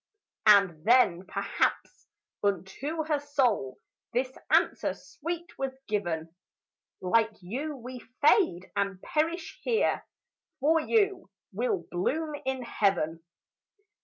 And then perhaps unto her soul This answer sweet was given, "Like you we fade and perish here; For you we'll bloom in heaven."